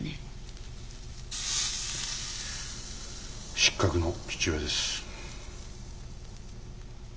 失格の父親です。